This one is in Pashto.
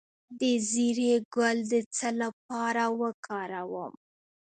د زیرې ګل د څه لپاره وکاروم؟